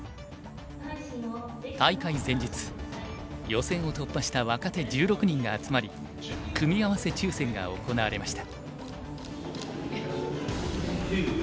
大会前日予選を突破した若手１６人が集まり組み合わせ抽選が行われました。